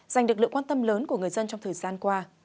dành được lượng quan tâm lớn của người dân trong thời gian qua